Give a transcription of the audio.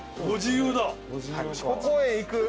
ご自由だ。